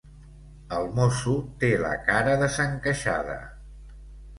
El mosso té la cara desencaixada.